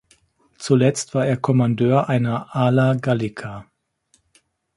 Zuletzt war er Kommandeur einer "Ala Gallica".